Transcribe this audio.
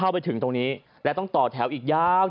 ไปถึงตรงนี้และต้องต่อแถวอีกยาว